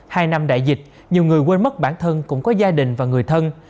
hai năm đại dịch nhiều người quên mất bản thân cũng có gia đình và người thân